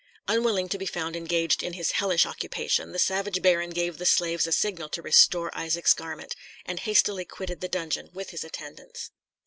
Unwilling to be found engaged in his hellish occupation, the savage baron gave the slaves a signal to restore Isaac's garment, and hastily quitted the dungeon with his attendants.